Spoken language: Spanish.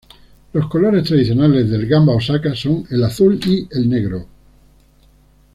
Los colores tradicionales del Gamba Osaka son el azul y el negro.